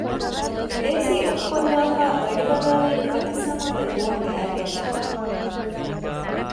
އޭސީ އޮފްކޮށްލާފައި ގަޑިބަލައިލިއިރު ފަތިސްނަމާދަށް ގޮވަން ގާތްވެއްޖެ